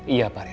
iya pak reno